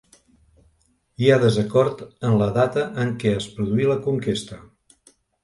Hi ha desacord en la data en què es produí la conquesta.